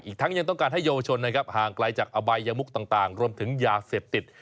ทั้งยังต้องการให้เยาวชนนะครับห่างไกลจากอบายมุกต่างรวมถึงยาเสพติด